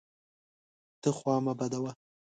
ته خوا مه بدوه!